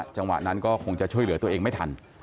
จังหวะนั้นก็คงจะช่วยเหลือตัวเองไม่ทัน